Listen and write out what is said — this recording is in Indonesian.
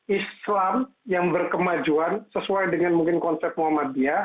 islam yang berkemajuan sesuai dengan mungkin konsep muhammadiyah